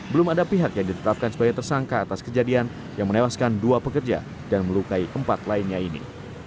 belum ada pihak yang ditetapkan sebagai tersangka atas kejadian yang menewaskan dua pekerja dan melukai empat lainnya ini